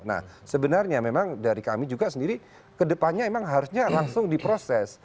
nah sebenarnya memang dari kami juga sendiri kedepannya memang harusnya langsung diproses